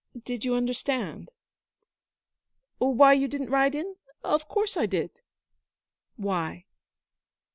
'Did you understand?' 'Why you didn't ride in? Of course I did,' 'Why?'